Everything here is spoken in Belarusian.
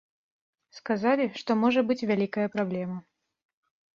Сказалі, што можа быць вялікая праблема.